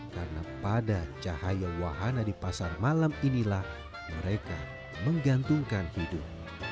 karena pada cahaya wahana di pasar malam inilah mereka menggantungkan hidup